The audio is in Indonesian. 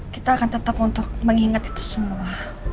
kita akan tetap untuk mengingat itu semua